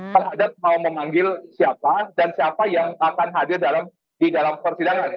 kalau ada mau memanggil siapa dan siapa yang akan hadir di dalam persidangan